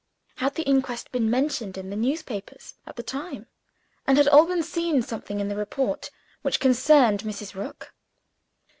Had the inquest been mentioned in the newspapers, at the time? And had Alban seen something in the report, which concerned Mrs. Rook?